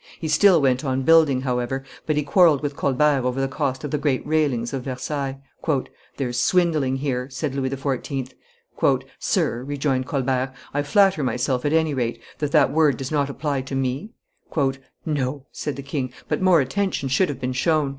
He still went on building, however; but he quarrelled with Colbert over the cost of the great railings of Versailles. There's swindling here," said Louis XIV. "Sir," rejoined Colbert, "I flatter myself, at any rate, that that word does not apply to me?" "No," said the king; "but more attention should have been shown.